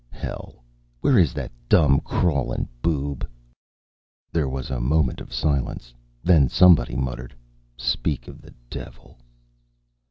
Hell! Where is that dumb, crawlin' boob?" There was a moment of silence. Then somebody muttered: "Speak of the devil!..."